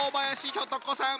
ひょと子さん！